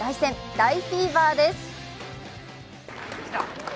大フィーバーです。